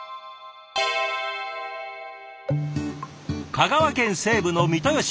香川県西部の三豊市。